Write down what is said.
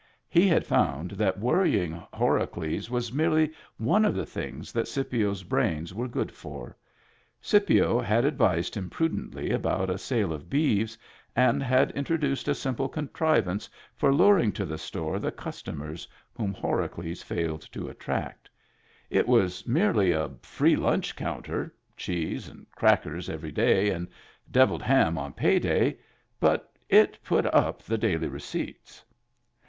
He had found that wonying Hora cles was merely one of the things that Scipio's brains were good for; Scipio had advised him prudently about a sale of beeves, and had intro duced a simple contrivance for luring to the store the customers whom Horacles failed to attract It was merely a free lunch counter, — cheese and crackers every day, and deviled ham on pay day, — but it put up the daily receipts.